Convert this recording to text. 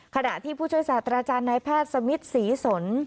ขณะที่ผู้ช่วยศาสตราจารย์นายแพทย์สมิทศรีสน